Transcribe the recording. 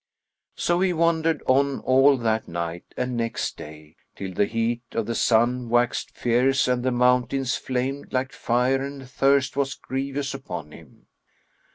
So he wandered on all that night and next day, till the heat of the sun waxed fierce and the mountains flamed like fire and thirst was grievous upon him.